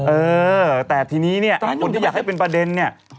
เออแต่ทีนี้เนี่ยคนที่อยากให้เป็นประเด็นเนี่ย